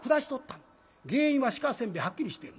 原因は鹿煎餅はっきりしてる。